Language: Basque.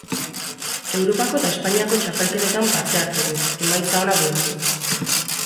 Europako eta Espainiako txapelketetan parte hartu du, emaitza onak lortuz.